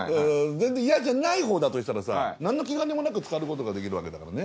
全然嫌じゃないほうだとしたら何の気兼ねもなくつかることができるわけだからね。